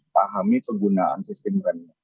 pahami penggunaan sistem remnya